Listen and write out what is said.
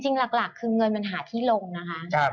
จริงหลักคือเงินมันหาที่ลงนะครับ